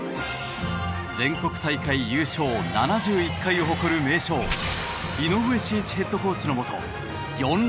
全国大会優勝７１回を誇る名将井上眞一ヘッドコーチのもと４連覇を狙う。